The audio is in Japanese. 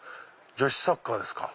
女子サッカーですか。